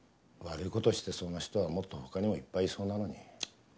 悪い事してそうな人はもっと他にもいっぱいいそうなのに。